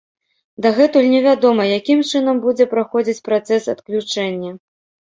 Дагэтуль невядома, якім чынам будзе праходзіць працэс адключэння.